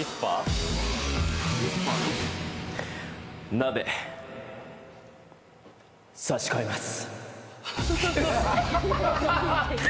鍋、差し替えます！